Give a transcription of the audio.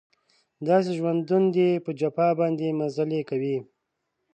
داسې ژوندون دی په جفا باندې مزلې کوي